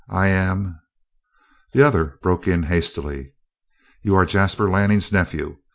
I am " The other broke in hastily. "You are Jasper Lanning's nephew.